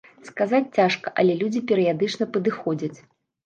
Сказаць цяжка, але людзі перыядычна падыходзяць.